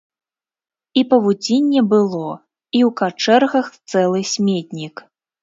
І павуцінне было, і ў качэргах цэлы сметнік.